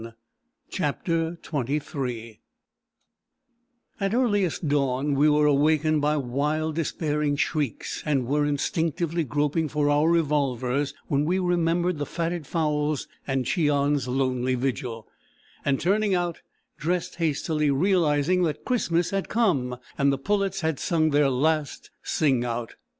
CHAPTER XXIII At earliest dawn we were awakened by wild, despairing shrieks, and were instinctively groping for our revolvers when we remembered the fatted fowls and Cheon's lonely vigil, and turning out, dressed hastily, realising that Christmas had come, and the pullets had sung their last "sing out."